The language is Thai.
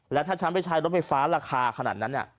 แล้วถ้าฉันไปใช้รถไฟฟ้าราคาขนาดนั้น